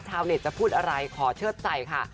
ชาวเน็ตจะพูดอะไรขอเชิดใจค่ะ